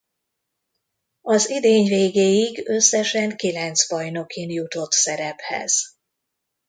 Az idény végéig összesen kilenc bajnokin jutott szerephez.